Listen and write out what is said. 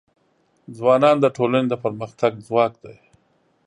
ځوانان د ټولنې د پرمختګ ځواک دی.